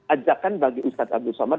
ajakan bagi ustadz abdul somad